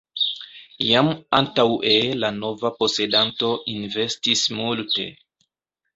Jam antaŭe la nova posedanto investis multe.